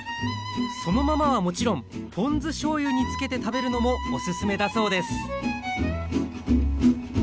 そのままはもちろんポン酢しょうゆにつけて食べるのもオススメだそうです